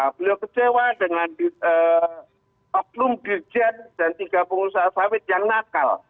beliau kecewa dengan oknum dirjen dan tiga pengusaha sawit yang nakal